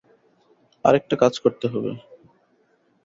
আরেকটা কাজ করতে হবে।